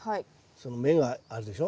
その芽があるでしょ。